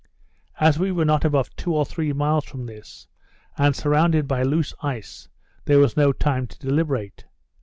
As we were not above two or three miles from this, and surrounded by loose ice, there was no time to deliberate.